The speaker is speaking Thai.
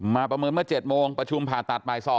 ประเมินเมื่อ๗โมงประชุมผ่าตัดบ่าย๒